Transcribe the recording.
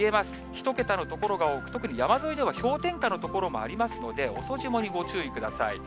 １桁の所が多く、特に山沿いでは氷点下の所もありますので、遅霜にご注意ください。